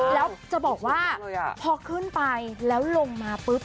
แล้วจะบอกว่าพอขึ้นไปแล้วลงมาปุ๊บ